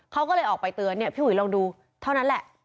เขาก็เลยออกไปเตือนเนี่ยพี่อุ๋ยลองดูเท่านั้นแหละ